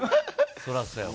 そらそやわ。